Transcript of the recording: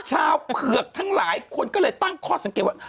เผือกทั้งหลายคนก็เลยตั้งข้อสังเกตว่า